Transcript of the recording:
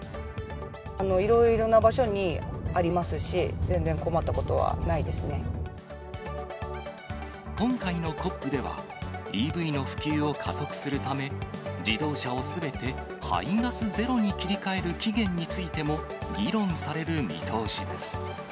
いろいろな場所にありますし、今回のＣＯＰでは、ＥＶの普及を加速するため、自動車をすべて排ガスゼロに切り替える期限についても議論される見通しです。